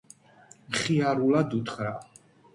მხიარულად უთხრა: